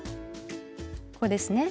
ここですね。